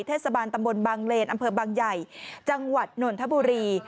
เทศบาลตำบลบางเลนอำเภอบางใหญ่จังหวัดนนทบุรี